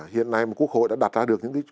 hiện nay mà quốc hội đã đặt ra được những cái